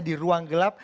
di ruang gelap